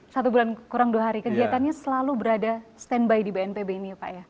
satu bulan kurang dua hari kegiatannya selalu berada standby di bnpb ini ya pak ya